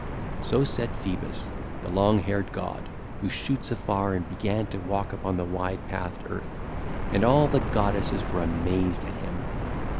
(ll. 133 139) So said Phoebus, the long haired god who shoots afar and began to walk upon the wide pathed earth; and all goddesses were amazed at him.